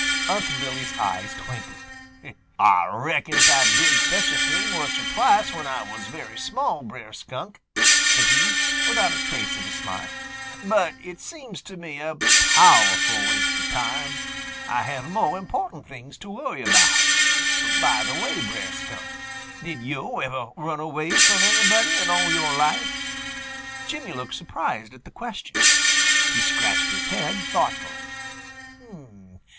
Unc' Billy's eyes twinkled. "Ah reckons Ah did such a thing once or twice when Ah was very small, Brer Skunk," said he, without a trace of a smile. "But it seems to me a powerful waste of time. Ah have mo' important things to worry about. By the way, Brer Skunk, did yo' ever run away from anybody in all your life?" Jimmy looked surprised at the question. He scratched his head thoughtfully.